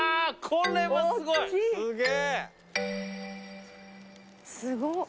これはすごい。